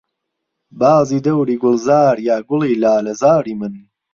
بازی دهوری گوڵزار یا گوڵی لالهزاری من